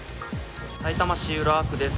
さいたま市浦和区です。